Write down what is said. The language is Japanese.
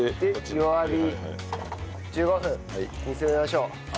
弱火１５分煮詰めましょう。